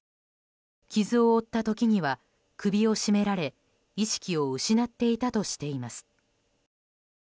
傷を負った時には首を絞められ意識を失っていたとしています。